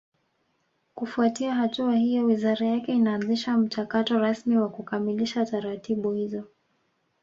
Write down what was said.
kufuatia hatua hiyo wizara yake inaanzisha mchakato rasmi wa kukamilisha taratibu hizo